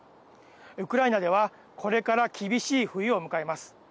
ウクライナではこれから厳しい冬を迎えます。